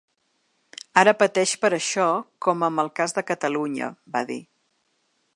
Ara pateix per això, com amb el cas de Catalunya, va dir.